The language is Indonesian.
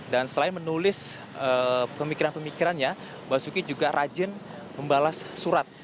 dan selain menulis pemikiran pemikirannya basuki juga rajin membalas surat